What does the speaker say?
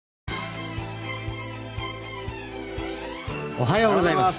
おはようございます。